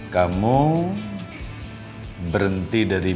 kamu berhenti dengan bimbel